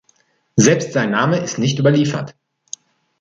Selbst sein Name ist nicht überliefert.